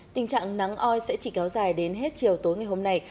tình trạng nắng oi sẽ chỉ kéo dài đến hết chiều tối ngày hôm nay